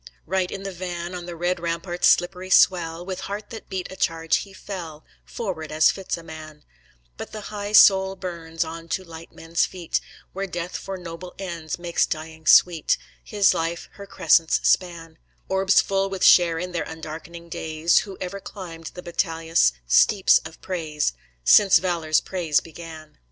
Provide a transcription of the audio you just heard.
Right in the van, On the red ramparts slippery swell, With heart that beat a charge, he fell, Foeward, as fits a man; But the high soul burns on to light men's feet Where death for noble ends makes dying sweet; His life her crescent's span Orbs full with share in their undarkening days Who ever climbed the battailous steeps of praise Since valor's praise began.